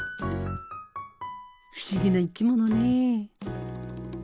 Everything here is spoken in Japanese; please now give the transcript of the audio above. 不思議な生き物ね。